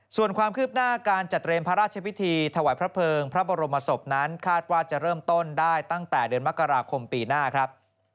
ส่วนความคืบหน้าการจัดเตรียมพระราชพิธีถวายพระเภิงพระบรมศพนั้นคาดว่าจะเริ่มต้นได้ตั้งแต่เดือนมกราคมปีหน้าครับ